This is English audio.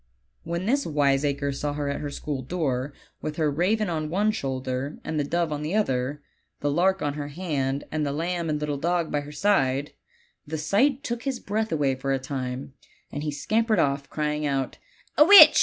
"When this wiseacre saw her at her school door, with her raven on one shoulder and the dove on the other, the lark on her hand, and the lamb and little dog by her side, the sight took his breath away for a time, and he scampered off crying out> "A witch!